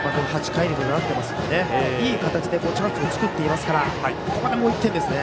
８回にもなっていますのでいい形でチャンスを作っていますからここでもう１点ですね。